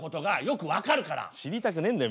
知りたくねえんだよ